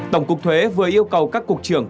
tổng cục thuế vừa yêu cầu các cục trưởng